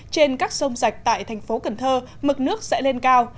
trên các sông rạch tại thành phố cần thơ mực nước sẽ lên cao